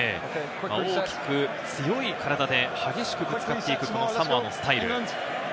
大きく強い体で激しくぶつかっていく、このサモアのスタイル。